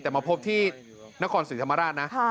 แต่มาพบที่นครศรีธรรมราชนะ